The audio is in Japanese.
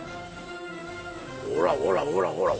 ほらほらほらほら